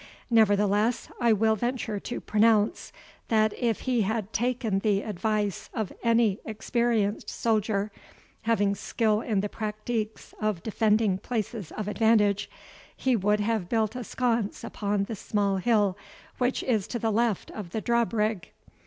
Nevertheless, I will venture to pronounce, that if he had taken the advice of any experienced soldier, having skill in the practiques of defending places of advantage, he would have built a sconce upon the small hill which is to the left of the draw brigg.